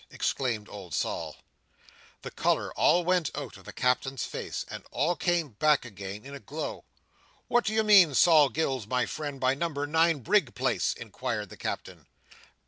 exclaimed old Sol. The colour all went out of the Captain's face and all came back again in a glow. "What do you mean, Sol Gills, my friend, by Number nine Brig Place?" inquired the Captain.